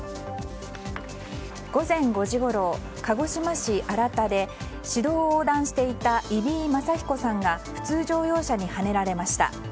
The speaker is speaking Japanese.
午前５時ごろ、鹿児島荒田で市道を横断していた伊比井眞彦さんが普通乗用車にはねられました。